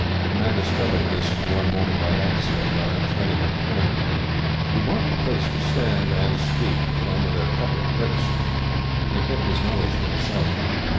A man discovered this one morning by accident while out training with a friend. He marked the place to stand and speak from with a couple of bricks, and he kept his knowledge to himself.